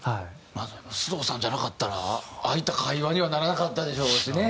須藤さんじゃなかったらああいった会話にはならなかったでしょうしね。